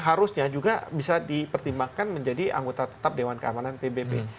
harusnya juga bisa dipertimbangkan menjadi anggota tetap dewan keamanan pbb